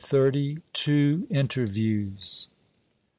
TWO INTERVIEWS.